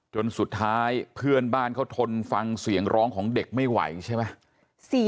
จนสุดท้ายเพื่อนบ้านเขาทนฟังเสียงร้องของเด็กไม่ไหวใช่ไหม